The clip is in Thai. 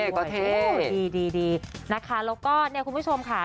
ก็เท่ดีนะคะแล้วก็คุณผู้ชมค่ะ